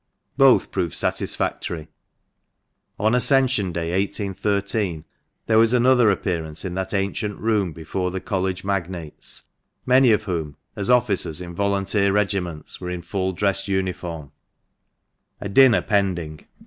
Both proved satisfactory. On Ascension Day, 1813, there was another appearance in that ancient room before the College magnates, many of whom, as officers in volunteer regiments, were in full dress uniform (a dinner pending).